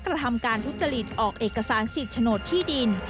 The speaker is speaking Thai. กระทำการทุจริตออกเอกสารสิทธิ์โฉนดที่ดิน